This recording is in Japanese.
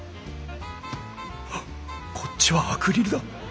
ハッこっちはアクリルだ！